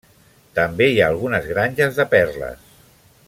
També hi ha algunes granges de perles.